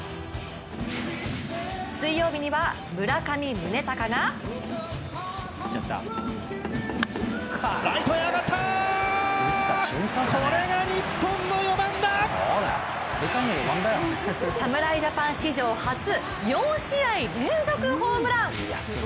水曜日には、村上宗隆が侍ジャパン史上初４試合連続ホームラン。